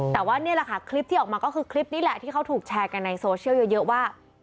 แต่ว่านี่แหละค่ะคลิปที่ออกมาก็คือคลิปนี้แหละที่เขาถูกแชร์กันในโซเชียลเยอะว่า